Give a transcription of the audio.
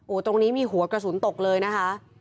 ตรงนี้มีหัวกระสุนตกเลยนะคะ